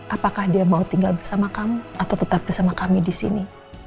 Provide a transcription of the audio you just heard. apakah dia mau tinggal bersama kamu atau tetap bersama kami di sini